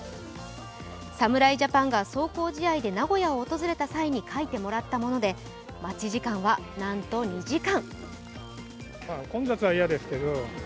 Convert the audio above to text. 侍ジャパンが壮行試合で名古屋を訪れた際に書いてもらったもので待ち時間はなんと２時間。